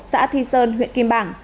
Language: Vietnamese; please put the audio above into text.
xã thi sơn huyện kim bảng